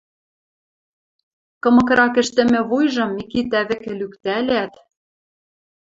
Кымыкрак ӹштӹмӹ вуйжым Микитӓ вӹкӹ лӱктӓлят: